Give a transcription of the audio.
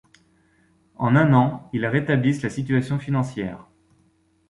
En un an, ils rétablissent la situation financière.